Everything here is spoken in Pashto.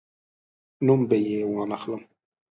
نوم به یې وانخلم.